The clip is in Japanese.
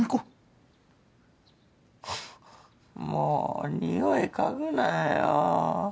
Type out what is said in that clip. フッもう匂い嗅ぐなよ。